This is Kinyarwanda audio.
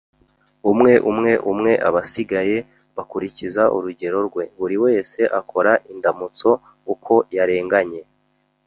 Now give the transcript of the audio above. Umwe umwe umwe abasigaye bakurikiza urugero rwe, buri wese akora indamutso uko yarenganye,